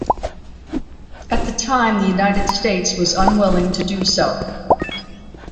At the time the United States was unwilling to do so.